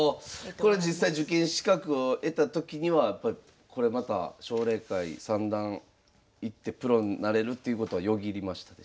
これ実際受験資格を得た時にはこれまた奨励会三段いってプロになれるっていうことはよぎりましたでしょうか？